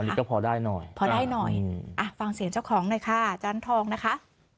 นี่ก็พอได้หน่อยพอได้หน่อยอ่ะฟังเสียงเจ้าของหน่อยค่ะอาจารย์ทองนะคะ